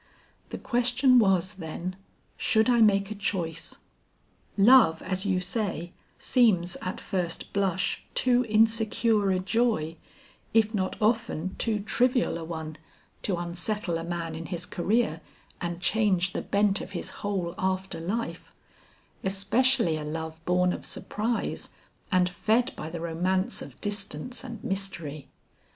The question was, then, should I make a choice? Love, as you say, seems at first blush too insecure a joy, if not often too trivial a one, to unsettle a man in his career and change the bent of his whole after life; especially a love born of surprise and fed by the romance of distance and mystery.